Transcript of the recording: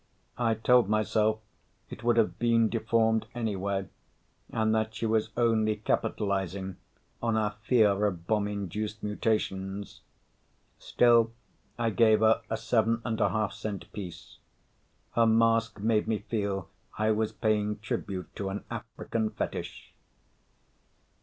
I told myself it would have been deformed anyway and that she was only capitalizing on our fear of bomb induced mutations. Still, I gave her a seven and a half cent piece. Her mask made me feel I was paying tribute to an African fetish.